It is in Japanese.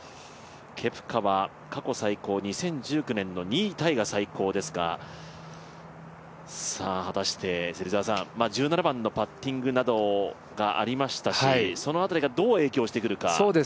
ケプカは過去最高２０１９年の２位タイが最高ですが１７番のパッティングなどがありましたし、その辺りがどう影響してくるか。